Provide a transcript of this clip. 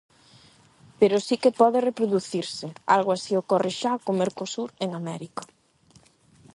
Pero si que pode reproducirse, algo así ocorre xa co Mercosur en América.